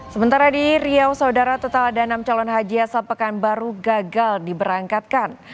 sementara di riau saudara total ada enam calon haji asal pekanbaru gagal diberangkatkan